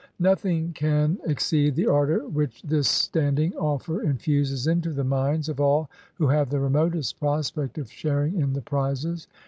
Nothing can exceed the ardor which this standing offer infuses into the minds of all who have the remotest prospect of sharing in the prizes.